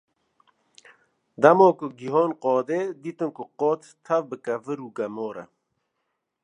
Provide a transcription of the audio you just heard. Dema ku gihan qadê, dîtin ku qad tev bi kevir û gemar e.